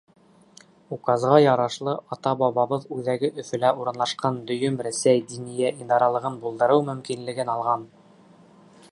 Указға ярашлы ата-бабабыҙ үҙәге Өфөлә урынлашҡан дөйөм Рәсәй диниә идаралығын булдырыу мөмкинлеген алған.